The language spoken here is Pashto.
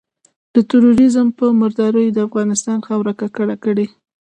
د ترورېزم په مرداریو د افغانستان خاوره ککړه کړي.